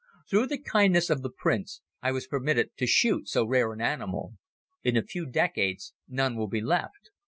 Through the kindness of the Prince I was permitted to shoot so rare an animal. In a few decades none will be left.